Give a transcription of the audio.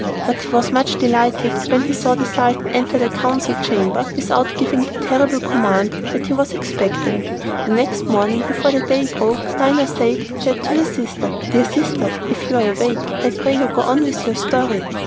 But he was much delighted when he saw the Sultan enter the council chamber without giving the terrible command that he was expecting. The next morning, before the day broke, Dinarzade said to her sister, "Dear sister, if you are awake I pray you to go on with your story."